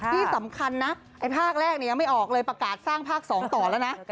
ที่สำคัญนะไอ้ภาคแรกยังไม่ออกเลยประกาศสร้างภาค๒ต่อแล้วนะ